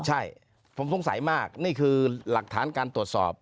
ใช่ผมสงสัยมากนี่คือหลักฐานการตรวจสอบ